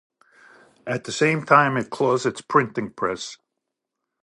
At the same time it closed its printing press.